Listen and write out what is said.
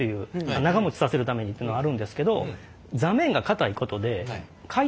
長もちさせるためにっていうのはあるんですけどはあ！